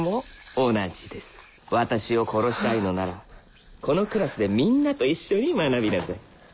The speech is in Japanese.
私を殺したいのならこのクラスでみんなと一緒に学びなさい